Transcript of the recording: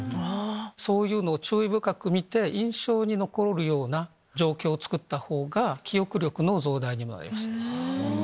そういうのを注意深く見て印象に残るような状況をつくったほうが記憶力の増大になります。